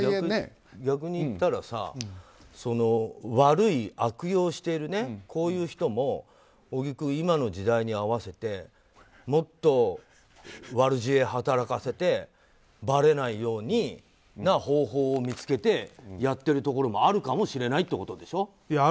逆に言ったらさ悪い、悪用しているこういう人も、小木君今の時代に合わせてもっと悪知恵を働かせてばれないような方法を見つけてやってるところもあるかもしれないってことでしょ。